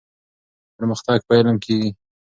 پرمختګ په علم کيږي.